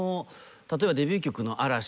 例えばデビュー曲の。